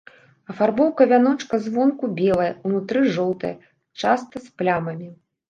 Афарбоўка вяночка звонку белая, унутры жоўтая, часта з плямамі.